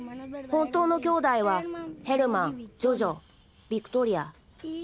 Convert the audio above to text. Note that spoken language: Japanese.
本当のきょうだいはヘルマンジョジョビクトリア。